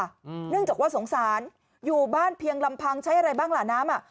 เนื่องจากว่าสงสารอยู่บ้านเพียงลำพังใช้อะไรบ้างล่ะน้ำอ่ะ